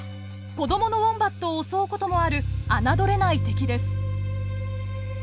子どものウォンバットを襲うこともある侮れない敵です。